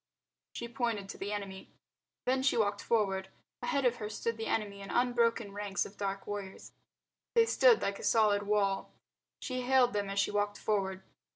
She pointed to the enemy. Then she walked forward. Ahead of her stood the enemy in unbroken ranks of dark warriors. They stood like a solid wall. She hailed them as she walked forward.